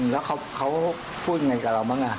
แล้วเขาพูดยังไงกับเราบ้าง